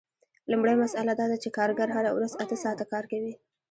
لومړۍ مسئله دا ده چې کارګر هره ورځ اته ساعته کار کوي